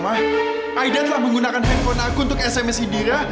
oma aida telah menggunakan handphone aku untuk sms indira